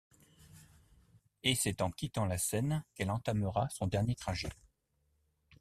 Et c’est en quittant la scène qu’elle entamera son dernier trajet.